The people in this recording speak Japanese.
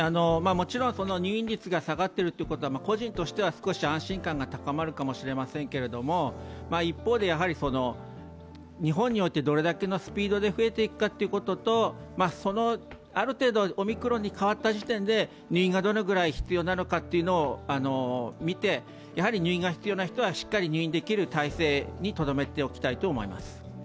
入院率が下がっているということは個人としては少し安心感が高まるかもしれませんけれども一方で、日本においてどれだけのスピードで増えていくかということと、ある程度オミクロンに変わった時点で入院がどのぐらい必要なのかを見て入院が必要な人はしっかり入院できる体制にとどめたいと思います。